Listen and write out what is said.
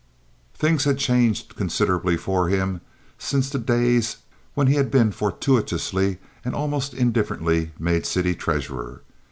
Things had changed considerably for him since the days when he had been fortuitously and almost indifferently made city treasurer.